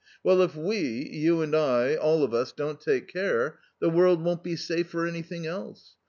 Well, if we, you and I, all of us, don't take care, the world won't be safe for anything else.